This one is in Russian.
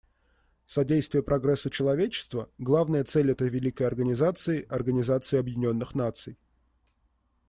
Содействие прогрессу человечества — главная цель этой великой организации, Организации Объединенных Наций.